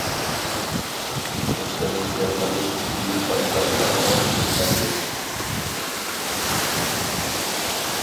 مۇستەملىكە قىلىش بۈيۈك بايقاشقا ئالمىشىپ قالىدۇ.